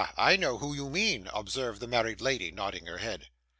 I know who you mean,' observed the married lady, nodding her head.